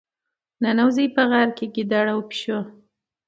ننوزي یې په غار کې ګیدړ او پيشو.